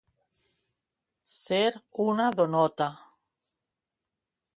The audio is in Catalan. Ser una donota.